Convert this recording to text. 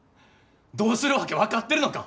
どうするわけ分かってるのか！